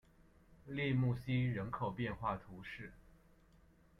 利穆西人口变化图示